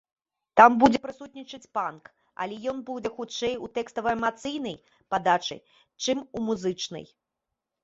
Там будзе прысутнічаць панк, але ён будзе хутчэй у тэкстава-эмацыйнай падачы, чым у музычнай.